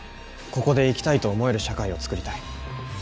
ここで生きたいと思える社会を作りたい。